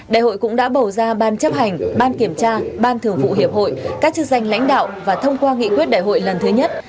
đại hội cũng đã bầu ra ban chấp hành ban kiểm tra ban thường vụ hiệp hội các chức danh lãnh đạo và thông qua nghị quyết đại hội lần thứ nhất